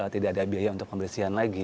tidak ada biaya untuk pembersihan lagi